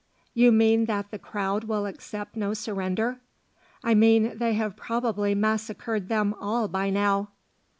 "You mean that the crowd will accept no surrender?" "I mean they have probably massacred them all by now."